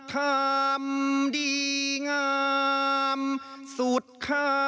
วัฒนธรรมดีหงามสุขน้ำสุขน้ำ